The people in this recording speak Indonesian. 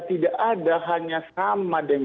tidak ada hanya sama dengan